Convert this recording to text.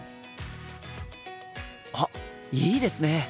あっいいですね！